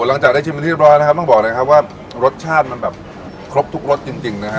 หลังจากได้ชิมเป็นที่เรียบร้อยนะครับต้องบอกเลยครับว่ารสชาติมันแบบครบทุกรสจริงจริงนะฮะ